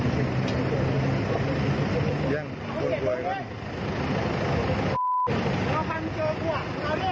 เจอผมว่ะเอาเลยเอาเลยเอาเลย